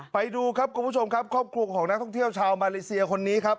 ไปดูครับคุณผู้ชมครับครอบครัวของนักท่องเที่ยวชาวมาเลเซียคนนี้ครับ